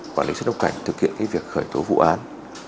quản lý xuất nhập cảnh thực hiện việc khởi tố vụ án